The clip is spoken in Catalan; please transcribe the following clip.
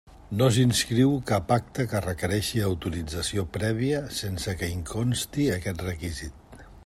No s'inscriu cap acte que requereixi autorització prèvia sense que hi consti aquest requisit.